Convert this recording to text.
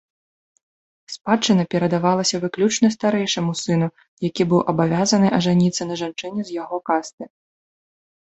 Спадчына перадавалася выключна старэйшаму сыну, які быў абавязаны ажаніцца на жанчыне з яго касты.